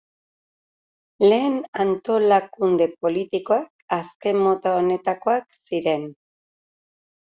Lehen antolakunde politikoak azken mota honetakoak ziren.